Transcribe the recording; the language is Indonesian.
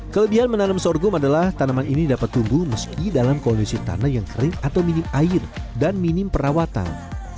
kelebihan menanam sorghum adalah tanaman ini dapat tumbuh meski dalam kondisi tanah yang kering atau minim air dan minim perawatan